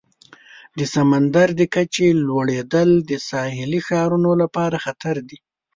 د سمندر د کچې لوړیدل د ساحلي ښارونو لپاره خطر دی.